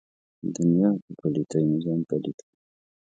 دنیا په پلیتۍ مې ځان پلیت کړ.